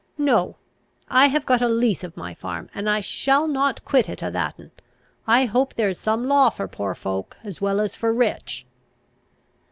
No; I have got a lease of my farm, and I shall not quit it o' thaten. I hope there is some law for poor folk, as well as for rich."